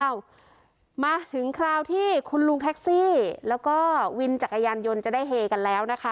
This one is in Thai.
มาถึงคราวที่คุณลุงแท็กซี่แล้วก็วินจักรยานยนต์จะได้เฮกันแล้วนะคะ